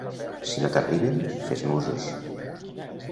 Si no t'arriben, fes nusos.